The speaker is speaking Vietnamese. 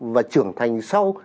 và trưởng thành sau